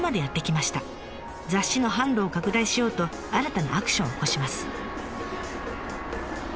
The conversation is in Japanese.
雑誌の販路を拡大しようと新たなアクションを起こします。